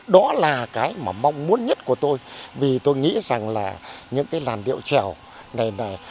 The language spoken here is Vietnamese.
đó là cái mà mong muốn nhất của tôi vì tôi nghĩ rằng là những cái làn điệu trèo này này